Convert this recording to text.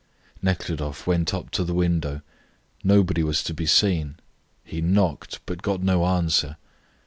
Nekhludoff went up to the window, nobody was to be seen; he knocked, but got no answer.